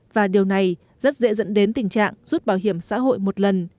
và điều này rất dễ dẫn đến tình trạng rút bảo hiểm xã hội một lần